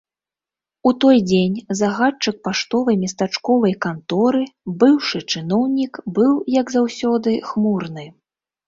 У той дзень загадчык паштовай местачковай канторы, быўшы чыноўнік, быў, як заўсёды, хмурны.